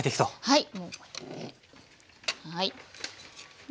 はい。